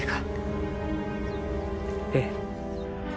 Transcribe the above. ええ。